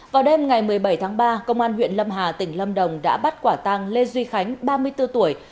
vào đêm ngày một mươi bảy tháng ba công an huyện lâm hà tỉnh lâm đồng đã bắt quả tàng lê duy khánh ba mươi bốn tuổi